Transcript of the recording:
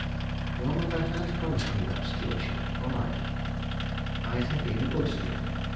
Your mother had promised me that stewardship for life. I'd have been a good steward.